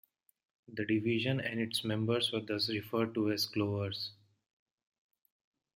The division and its members were thus referred to as "clovers".